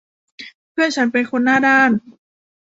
เพื่อนฉันเป็นคนหน้าด้าน